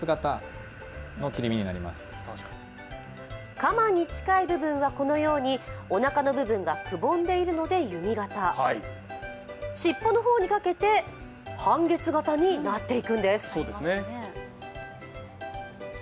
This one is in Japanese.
カマに近い部位は、このようにおなかの部分がくぼんでいるので弓形尻尾の方にかけて半月形になっていくんです。